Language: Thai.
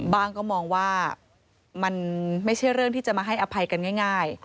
ก็มองว่ามันไม่ใช่เรื่องที่จะมาให้อภัยกันง่าย